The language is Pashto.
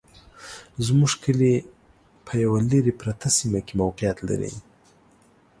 زموږ کلي په يوه لري پرته سيمه کي موقعيت لري